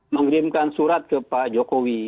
mengirimkan surat ke pak jokowi